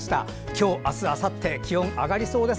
今日、明日、あさって気温が上がりそうです。